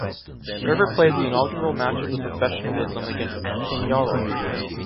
River played the inaugural match of the professionalism, against Peñarol.